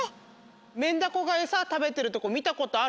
メンダコがえさたべてるとこみたことある？